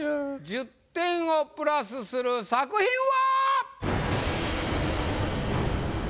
１０点をプラスする作品は！